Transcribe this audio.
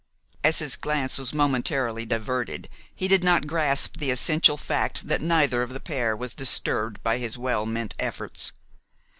As his glance was momentarily diverted, he did not grasp the essential fact that neither of the pair was disturbed by his well meant efforts.